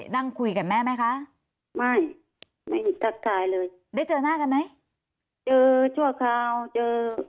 นั่งคุยกับแม่ไหมคะไม่ไม่อีกทักทายเลยได้เจอหน้ากันไหมเจอชั่วคราวเจอ